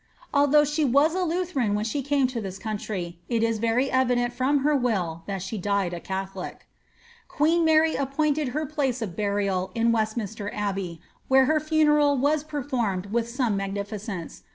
Although she was a Lutheran when she came to this country, it is very evident from her will that she died a catholic. Queen Mary appointed her place of burial in Westminster Abbey, vhere her funeral was performed with some magnificence.